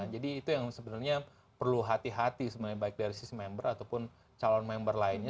jadi itu yang sebenarnya perlu hati hati sebenarnya baik dari sisi member ataupun calon member lainnya